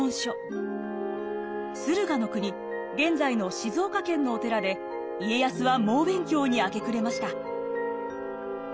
駿河国現在の静岡県のお寺で家康は猛勉強に明け暮れました。